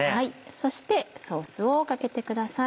そしてソースをかけてください。